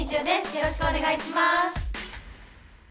よろしくお願いします。